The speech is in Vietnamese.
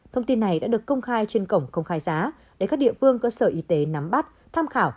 thông tin này đã được công khai trên cổng công khai giá để các địa phương cơ sở y tế nắm bắt tham khảo